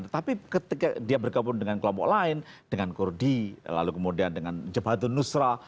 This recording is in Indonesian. tetapi ketika dia bergabung dengan kelompok lain dengan kurdi lalu kemudian dengan jabatun nusra